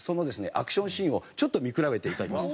アクションシーンをちょっと見比べて頂きます。